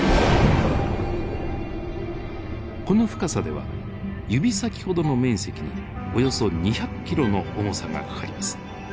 この深さでは指先ほどの面積におよそ２００キロの重さがかかります。